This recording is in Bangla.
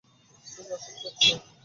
তুমি মাশরুম চাচ্ছ?